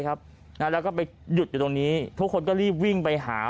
แล้วก็ไปหยุดอยู่ตรงนี้ทุกคนก็รีบวิ่งไปหา